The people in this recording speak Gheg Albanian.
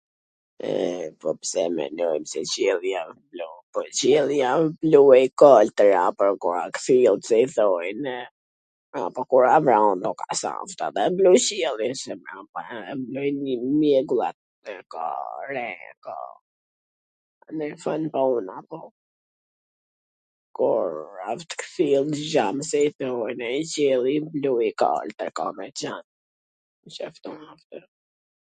E, po pse mendojm se qielli wsht blu? Po qielli a blu, blu i kaltwr apo koha e kthillt si i thojn, po kur a vran nuk a se asht edhe blu qiellli.... se bin nji mjegull, ka re, ka ... kur asht kthiellt ,,, edhe qielli blu i kaltwr ka me qan,